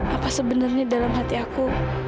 apa sebenarnya dalam hati aku